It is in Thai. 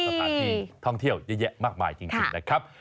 สถานที่ท่องเที่ยวเยอะแยะมากมายจริงนะครับ